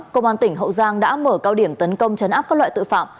công an tỉnh hậu giang đã mở cao điểm tấn công chấn áp các loại tội phạm